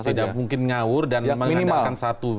tidak mungkin mengawur dan mengandalkan satu